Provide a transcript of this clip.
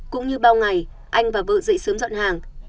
cũng như bao ngày anh và vợ dậy sớm dọn hàng